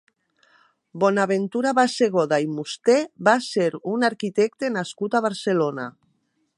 Bonaventura Bassegoda i Musté va ser un arquitecte nascut a Barcelona.